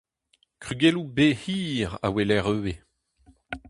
Krugelloù-bez hir a weler ivez.